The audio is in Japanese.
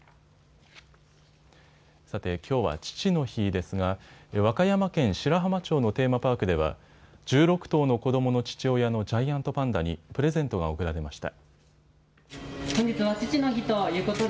さて、きょうは父の日ですが和歌山県白浜町のテーマパークでは１６頭の子どもの父親のジャイアントパンダにプレゼントが贈られました。